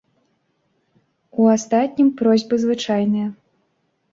У астатнім просьбы звычайныя.